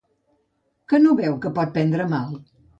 Que no veu que pot prendre mal?